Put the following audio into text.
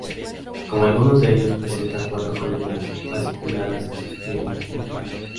Como algunos de ellos, presenta cuatro columnas fasciculadas que sostienen un tejado.